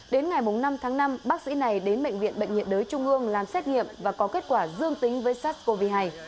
đến ngày năm tháng năm bác sĩ này đến bệnh viện bệnh nhiệt đới trung ương làm xét nghiệm và có kết quả dương tính với sars cov hai